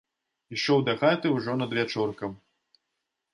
Ішоў дахаты ўжо надвячоркам.